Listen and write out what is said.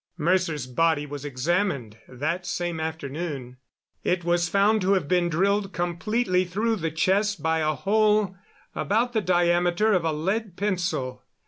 Mercer's body was examined that same afternoon. It was found to have been drilled completely through the chest by a hole about the diameter of a lead pencil.